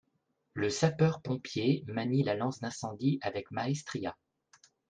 Le sapeur pompier manie la lance d'incendie avec maestria